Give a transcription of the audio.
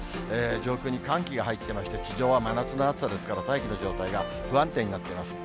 上空に寒気が入ってまして、地上は真夏の暑さですから、大気の状態が不安定になっています。